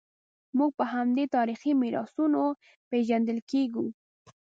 موږ په همدې تاریخي میراثونو پېژندل کېږو.